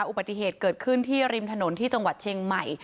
อุบัติเหตุเกิดขึ้นที่ริมถนนที่จังหวัดเชียงใหม่